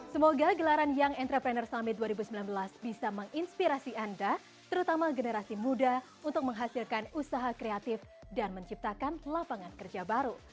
semoga gelaran young entrepreneur summit dua ribu sembilan belas bisa menginspirasi anda terutama generasi muda untuk menghasilkan usaha kreatif dan menciptakan lapangan kerja baru